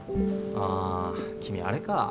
あ君あれか。